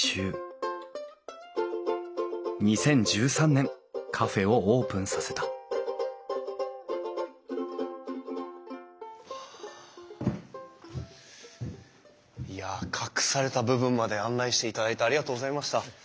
２０１３年カフェをオープンさせたいや隠された部分まで案内していただいてありがとうございました。